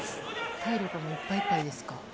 体力もいっぱいいっぱいですか。